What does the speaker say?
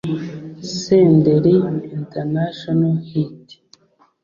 Senderi International Hit